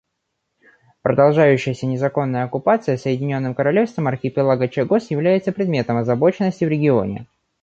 Продолжающаяся незаконная оккупация Соединенным Королевством архипелага Чагос является предметом озабоченности в регионе.